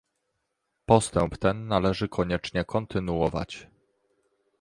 Postęp ten należy koniecznie kontynuować